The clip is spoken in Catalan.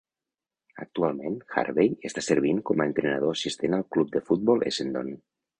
Actualment, Harvey està servint com a entrenador assistent al Club de futbol Essendon.